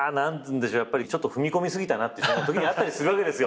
ちょっと踏み込み過ぎたなってあったりするわけですよ。